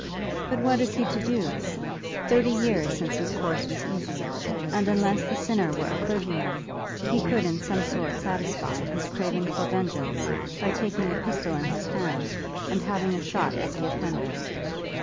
But what is he to do? Thirty years since his course was easy, and unless the sinner were a clergyman, he could in some sort satisfy his craving for revenge by taking a pistol in his hand, and having a shot at the offender.